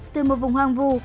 từ một vùng hoang vu